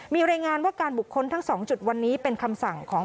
มีรายงานว่าการบุคคลทั้ง๒จุดวันนี้เป็นคำสั่งของ